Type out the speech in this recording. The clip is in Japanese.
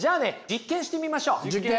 実験してみましょう。